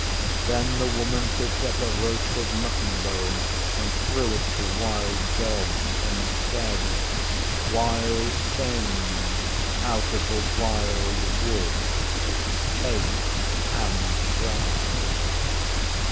Then the Woman picked up a roasted mutton bone and threw it to Wild Dog, and said, 'Wild Thing out of the Wild Woods, taste and try.